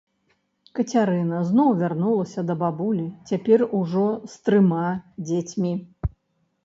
Кацярына зноў вярнулася да бабулі, цяпер ужо з трыма дзецьмі.